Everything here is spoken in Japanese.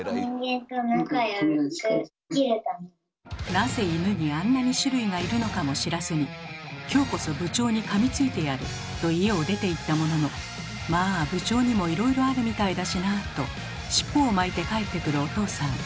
なぜイヌにあんなに種類がいるのかも知らずに「今日こそ部長にかみついてやる」と家を出ていったものの「まあ部長にもいろいろあるみたいだしな」と尻尾を巻いて帰ってくるおとうさん。